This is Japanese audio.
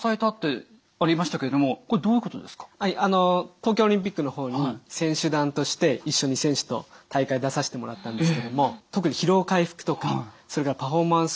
東京オリンピックの方に選手団として一緒に選手と大会出させてもらったんですけども特に疲労回復とかそれからパフォーマンス向上のための。